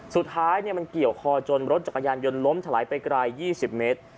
สุดท้ายมันเกี่ยวคอจนรถจักรยานยนต์ล้มถลายไปไกล๒๐เมตร